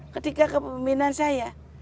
ketika kepemimpinan saya